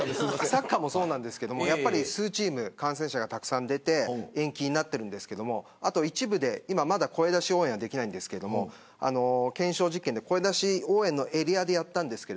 サッカーもそうですが数チーム感染者がたくさん出て延期になっているんですけれど一部で声出し応援まだできないんですけど検証実験で声出し応援のエリアでやったんです。